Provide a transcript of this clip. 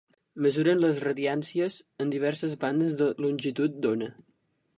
Mesuren les radiàncies en diverses bandes de longitud d'ona.